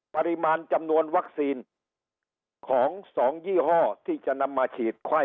ปริมาณจำนวนวัคซีนของสองยี่ห้อ